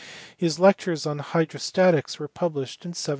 His lectures on hydrostatics were published in 1738.